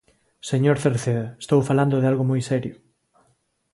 Señor Cerceda, estou falando de algo moi serio.